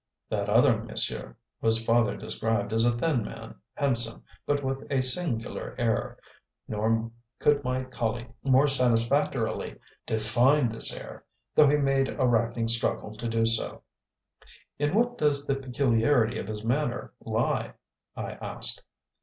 "That other monsieur" was farther described as a thin man, handsome, but with a "singular air," nor could my colleague more satisfactorily define this air, though he made a racking struggle to do so. "In what does the peculiarity of his manner lie?" I asked.